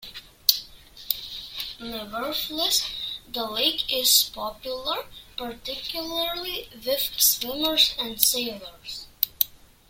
Nevertheless, the lake is popular particularly with swimmers and sailors.